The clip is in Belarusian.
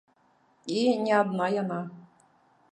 І не адна яна.